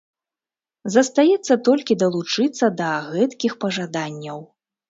Застаецца толькі далучыцца да гэткіх пажаданняў.